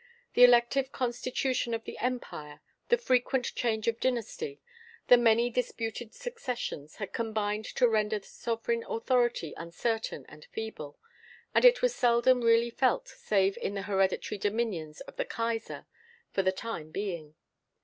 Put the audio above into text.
The elective constitution of the empire, the frequent change of dynasty, the many disputed successions, had combined to render the sovereign authority uncertain and feeble, and it was seldom really felt save in the hereditary dominions of the Kaiser for the time being.